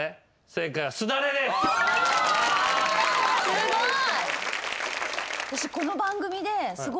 すごい！